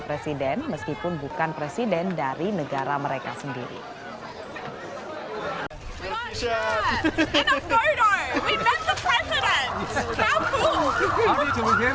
presiden meskipun bukan presiden dari negara mereka sendiri